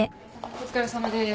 お疲れさまです。